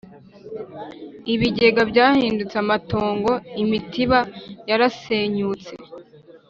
Ibigega byahindutse amatongo Imitiba yarasenyutse